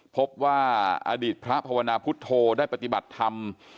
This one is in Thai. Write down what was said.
พบว่าอดีตพระภาวนาพุทธโธได้ปฏิบัติธรรม